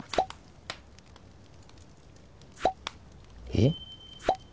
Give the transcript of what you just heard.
えっ？